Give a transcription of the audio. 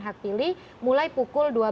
hak pilih mulai pukul dua belas